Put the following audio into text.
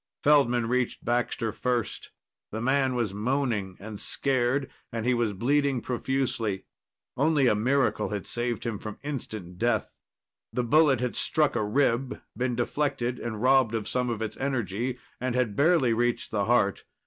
Feldman reached Baxter first. The man was moaning and scared, and he was bleeding profusely. Only a miracle had saved him from instant death. The bullet had struck a rib, been deflected and robbed of some of its energy, and had barely reached the heart.